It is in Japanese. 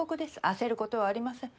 焦ることはありません。